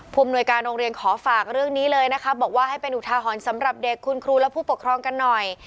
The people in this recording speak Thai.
อำนวยการโรงเรียนขอฝากเรื่องนี้เลยนะคะบอกว่าให้เป็นอุทาหรณ์สำหรับเด็กคุณครูและผู้ปกครองกันหน่อย